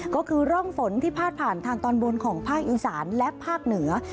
ก็คือร่องฝนที่พาดผ่านทางตอนบนของภาคอีสานและภาคเหนือ